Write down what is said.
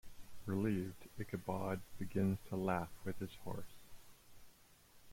Relieved, Ichabod begins to laugh with his horse.